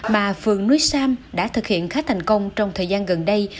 mà phường núi sam đã thực hiện khá thành công trong thời gian gần đây